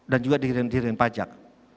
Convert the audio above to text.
dan juga dirindikan pajak